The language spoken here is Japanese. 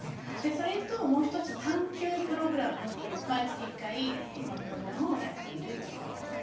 それともう一つ、探求プログラムという毎月１回、そのプログラムをやっている。